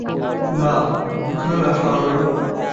না, উঠো না সরলা।